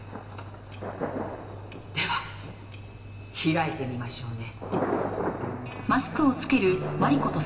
では開いてみましょうね。